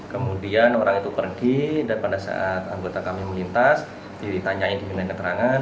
kemudian orang itu pergi dan pada saat anggota kami melintas dia ditanyain diminta keterangan